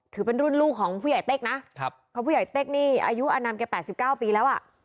ถือเป็นรุ่นลูกของผู้ใหญ่เต๊กนะเพราะผู้ใหญ่เต๊กนี่อายุอนามแก๘๙ปีแล้วอ่ะ